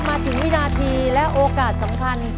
มาถึงวินาทีและโอกาสสำคัญ